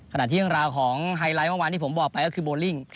ขณะที่เรื่องราวของไฮไลท์เมื่อวานที่ผมบอกไปก็คือโบลิ่ง